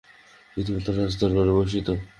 রীতিমত রাজ-দরবার বসিত।